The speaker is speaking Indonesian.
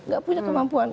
gak punya kemampuan